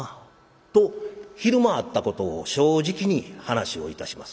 と昼間あったことを正直に話をいたします。